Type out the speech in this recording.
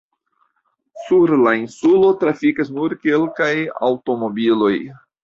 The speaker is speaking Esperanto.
Sur la insulo trafikas nur kelkaj aŭtomobiloj.